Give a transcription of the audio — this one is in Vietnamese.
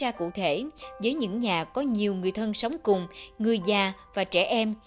và cụ thể với những nhà có nhiều người thân sống cùng người già và trẻ em